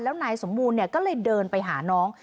แล้วนายสมบูรณ์ก็เลยเดินไปหาน้อง